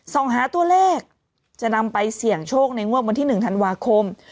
ส่งหาตัวเลขจะนำไปเสี่ยงโชคในงวดวันที่๑ธันวาคม